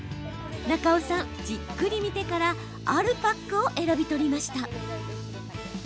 中尾さん、じっくり見てからあるパックを選び取りました。